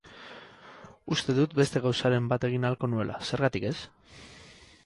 Uste dut beste gauzaren bat egin ahalko nuela, zergatik ez?